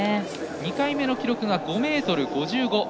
２回目の記録が５ｍ５５。